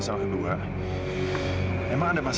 juli di mana sih